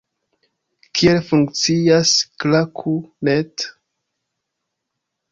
Kiel funkcias Klaku.net?